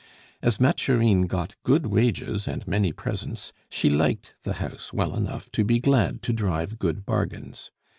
As Mathurine got good wages and many presents, she liked the house well enough to be glad to drive good bargains.